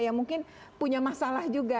yang mungkin punya masalah juga